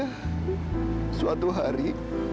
tapi suatu hari